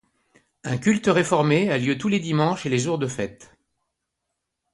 Un culte réformé a lieu tous les dimanches et les jours de fête.